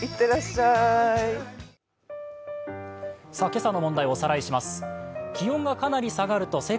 今朝の問題をおさらいします。